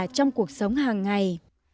trong cuộc sống hàng ngày